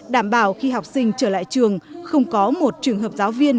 đảm bảo khi học sinh trở lại trường không có một trường hợp giáo viên